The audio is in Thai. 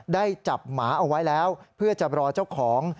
ได้จับหมาเอาไว้แล้วเพื่อจะรอเจ้าของ